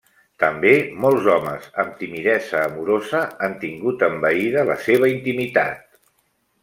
També, molts homes amb timidesa amorosa han tingut envaïda la seva intimitat.